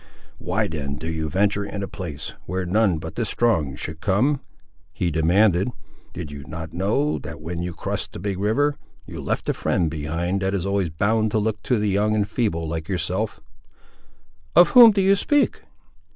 "Why then do you venture in a place where none but the strong should come?" he demanded. "Did you not know that, when you crossed the big river, you left a friend behind you that is always bound to look to the young and feeble, like yourself." "Of whom do you speak?"